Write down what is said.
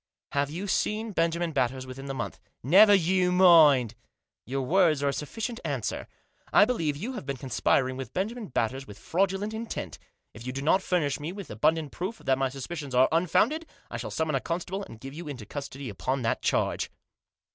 " Have you seen Benjamin Batters within the month?" " Never you mind !"" Your words are a sufficient answer. I believe that you have been conspiring with Benjamin Batters with fraudulent intent. If you do not furnish me with abundant proof that my suspicions are unfounded I shall summon a constable, and give you into custody upon that charge.